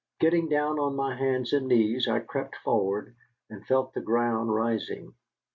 Getting down on my hands and knees, I crept forward, and felt the ground rising.